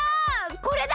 これだ！